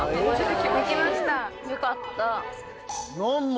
よかった。